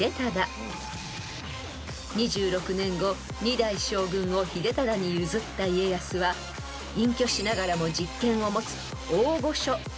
［２６年後二代将軍を秀忠に譲った家康は隠居しながらも実権を持つ］